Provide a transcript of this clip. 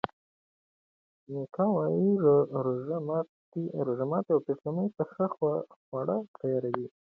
میکا وايي روژه ماتي او پیشلمي ته ښه خواړه تیاروي.